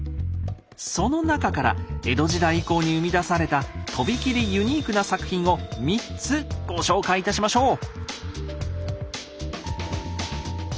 その中から江戸時代以降に生み出されたとびきりユニークな作品を３つご紹介いたしましょう。